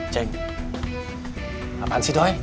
ceng apaan sih itu eh